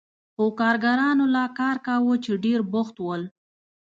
خو کارګرانو لا کار کاوه چې ډېر بوخت ول.